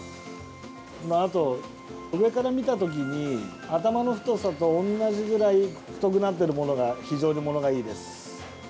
あと、上から見たときに頭の太さと同じぐらい太くなっているものが非常にモノがいいです。